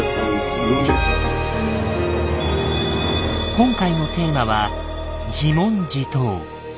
今回のテーマは「自問自答」。